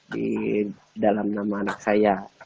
di dalam nama anak saya